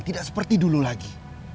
tidak seperti dulu lagi